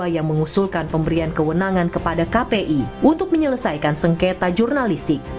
yang mengusulkan pemberian kewenangan kepada kpi untuk menyelesaikan sengketa jurnalistik